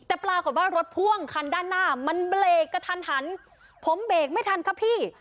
แต่ปรากฏว่ารถพ่วงคันด้านหน้ามันเบรกกระทันหันผมเบรกไม่ทันครับพี่